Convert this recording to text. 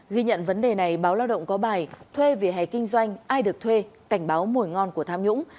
ghi nhận vấn đề này báo lao động có bài thuê về hè kinh doanh ai được thuê cảnh báo mùi ngon của tham nhũng